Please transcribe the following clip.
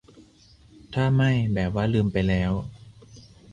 ถ้าไม่ แบบว่าลืมไปแล้ว